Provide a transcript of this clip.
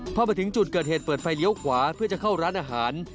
พอมาถึงจุดเกิดเหตุเปิดไฟเลี้ยวขวาเพื่อจะเข้าร้านอาหาร